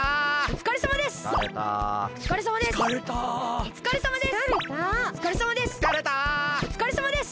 おつかれさまです！